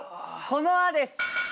この「あ」です。